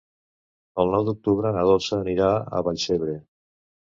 El nou d'octubre na Dolça anirà a Vallcebre.